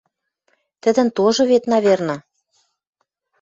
Тӹдӹн тоже вет, наверно